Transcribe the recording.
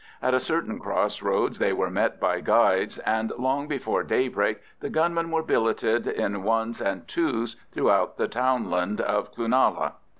At a certain cross roads they were met by guides, and long before daybreak the gunmen were billeted in ones and twos throughout the townland of Cloonalla.